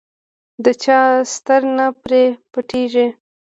د چا ستر نه پرې پټېږي.